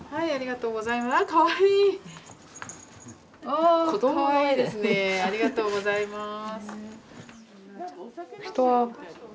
ありがとうございます。